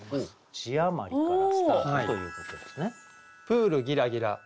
字余りからスタートということですね。